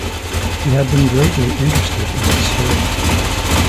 She had been greatly interested in the story.